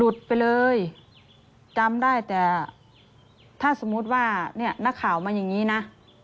ไปเลยจำได้แต่ถ้าสมมุติว่าเนี่ยนักข่าวมาอย่างนี้นะ